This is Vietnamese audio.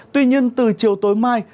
tuy nhiên từ chiều tối mai